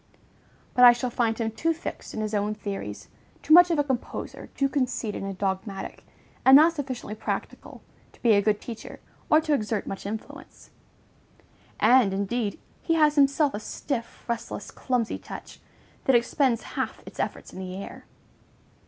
But I shall find him too fixed in his own theories, too much of a composer, too conceited and dogmatic, and not sufficiently practical, to be a good teacher, or to exert much influence; and, indeed, he has himself a stiff, restless, clumsy touch, that expends half its efforts in the air.